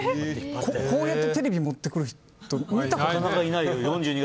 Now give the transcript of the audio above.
こうやってテレビ持ってくる人見たことなくて。